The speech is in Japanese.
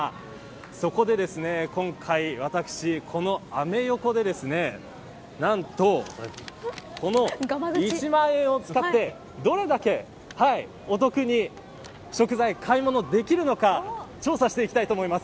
そこで今回、私このアメ横で何と、この１万円を使ってどれだけお得に食材、買い物できるのか調査していきたいと思います。